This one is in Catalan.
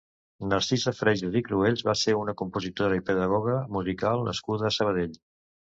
Narcisa Freixas i Cruells va ser una compositora i pedagoga musical nascuda a Sabadell.